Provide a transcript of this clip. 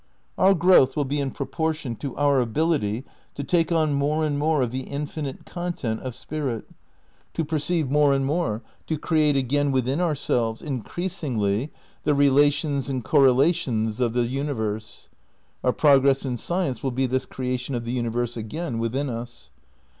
Our growth will be in proportion to our ability to take on more and more of the infinite content of spirit, to perceive more and more, to create again within ourselves, increas ingly, the relations and correlations of the universe. Our progress in science will be this creation of the uni verse again within us.